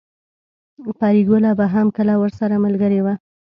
پريګله به هم کله ورسره ملګرې وه